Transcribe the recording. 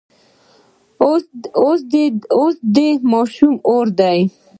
اوس د دې ماشومې وار دی.